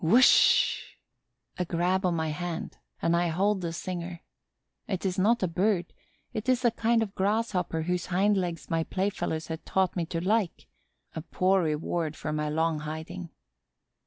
Whoosh! A grab of my hand and I hold the singer. It is not a Bird; it is a kind of Grasshopper whose hind legs my playfellows have taught me to like; a poor reward for my long hiding.